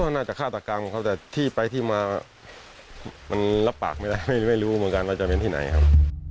น่าจะฆาตกรรมครับแต่ที่ไปที่มามันรับปากไม่ได้ไม่รู้เหมือนกันว่าจะเป็นที่ไหนครับ